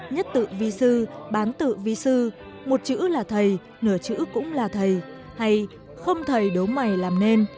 nhất tự vi sư bán tự vi sư một chữ là thầy nửa chữ cũng là thầy hay không thầy đố mày làm nên